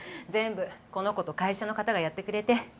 全部この子と会社の方がやってくれて。